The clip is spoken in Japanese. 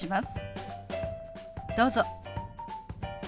どうぞ。